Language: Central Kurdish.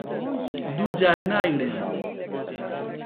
دوو جار نایڵێم.